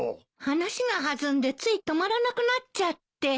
話が弾んでつい止まらなくなっちゃって。